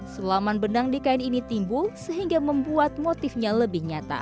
sulaman benang di kain ini timbul sehingga membuat motifnya lebih nyata